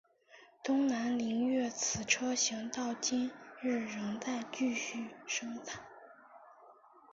东南菱悦此车型到今日仍在继续生产。